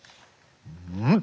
うん？